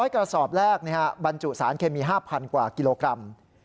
กระสอบแรกบรรจุสารเคมี๕๐๐กว่ากิโลกรัม